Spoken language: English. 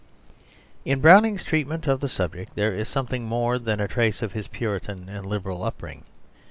In Browning's treatment of the subject there is something more than a trace of his Puritan and Liberal upbringing.